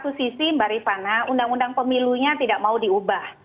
satu sisi mbak rifana undang undang pemilunya tidak mau diubah